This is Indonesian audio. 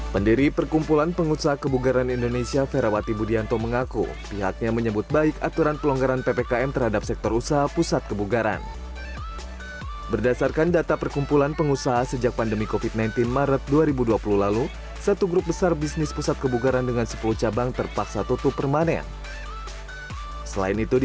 pembangunan pembangunan indonesia